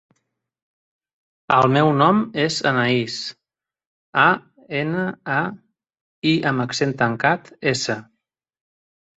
El meu nom és Anaís: a, ena, a, i amb accent tancat, essa.